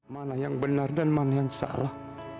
mana yang benar dan mana yang salah